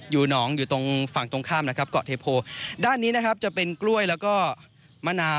อยู่หนองอยู่ตรงฝั่งตรงข้ามนะครับเกาะเทโพด้านนี้นะครับจะเป็นกล้วยแล้วก็มะนา